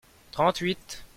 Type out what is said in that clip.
trente huit.